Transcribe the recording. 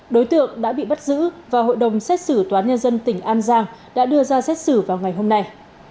đối tượng đã bị bắt giữ và hội đồng xét xử toán nhân dân tỉnh an giang đã đưa ra xét xử vào ngày hôm nay